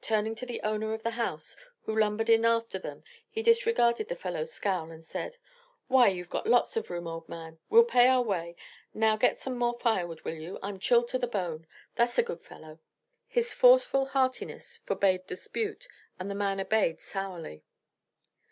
Turning to the owner of the house, who lumbered in after them, he disregarded the fellow's scowl, and said: "Why, you've got lots of room, old man! We'll pay our way. Now get some more firewood, will you? I'm chilled to the bone. That's a good fellow." His forceful heartiness forbade dispute, and the man obeyed, sourly.